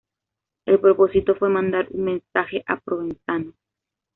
El propósito fue mandar un mensaje a Provenzano.